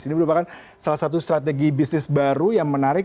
ini merupakan salah satu strategi bisnis baru yang menarik